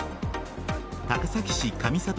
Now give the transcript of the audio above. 高崎市上里